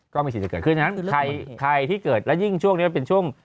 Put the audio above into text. ไม่คิดจะเกิดขึ้นฉะนั้นใครที่เกิดและยิ่งช่วงนี้มันเป็นช่วง